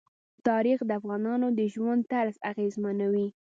تاریخ د افغانانو د ژوند طرز اغېزمنوي.